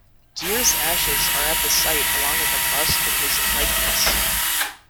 Geer's ashes are at the site along with a bust in his likeness.